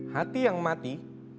hati yang mati